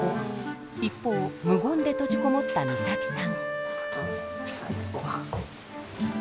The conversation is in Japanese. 一方無言で閉じこもったみさきさん。